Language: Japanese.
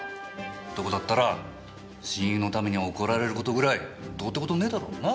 男だったら親友のために怒られる事ぐらいどうって事ねえだろうな？